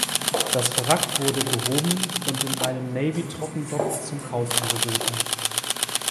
Das Wrack wurde gehoben und in einem Navy-Trockendock zum Kauf angeboten.